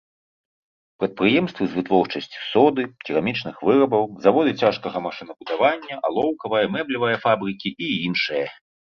Прадпрыемствы з вытворчасці соды, керамічных вырабаў, заводы цяжкага машынабудавання, алоўкавая, мэблевая фабрыкі і іншае.